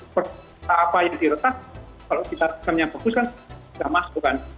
pertama apa yang di retas kalau kita menunjukkan yang bagus kan tidak masuk kan